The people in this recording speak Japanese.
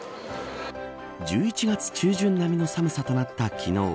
１１月中旬並みの寒さとなった昨日。